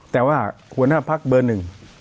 แต่ว่าหัวหน้าพักเบอร์หนึ่ง